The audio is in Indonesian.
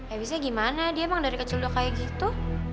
abisnya gimana dia emang dari kecil udah kayak gitu